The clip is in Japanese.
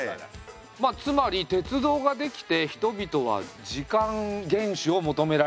つまり鉄道ができて人々は時間厳守を求められるようになった。